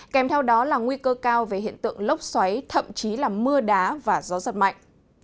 kèm theo đó là nguy cơ cao về hiện tượng lốc xoáy thậm chí là mưa đá và gió giật mạnh